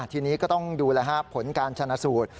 ทีนี้ก็ต้องดูแล้วผลการชนะสูตร